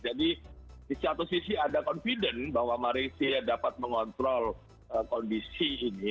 jadi di satu sisi ada confidence bahwa malaysia dapat mengontrol kondisi ini